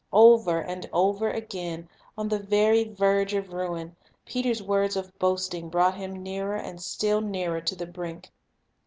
Over and over again, on the very verge of ruin, Peter's words of boasting brought him nearer and still nearer to the brink.